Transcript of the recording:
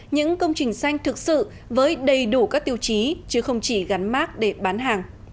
những công trình xanh thực sự với đầy đủ các tiêu chí chứ không chỉ gắn mát để bán hàng